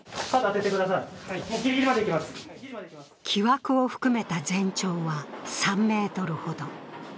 木枠を含めた全長は３ｍほど。